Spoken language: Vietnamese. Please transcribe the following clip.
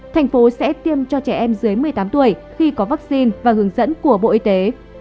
thành phố sẽ tiêm cho trẻ em dưới một mươi tám tuổi khi có vaccine và hướng dẫn của bộ y tế